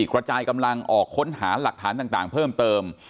กระจายกำลังออกค้นหาหลักฐานต่างเพิ่มเติม